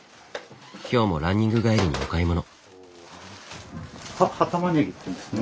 今日もランニング帰りにお買い物。